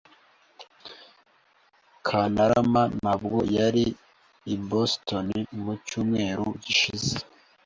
Kantarama ntabwo yari i Boston mu cyumweru gishize.